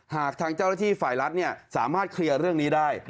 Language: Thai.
หากทางเจ้าหน้าที่ฝ่ายรัฐสามารถเคลียร์เรื่องนี้ได้